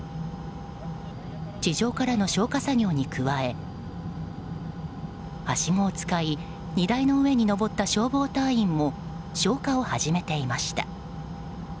地上からの消火作業に加えはしごを使い荷台の上に上った消防隊員も消火を始めていました。